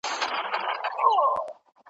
مستۍ ځه الله دي مل سه، نن خُمار ته غزل لیکم ,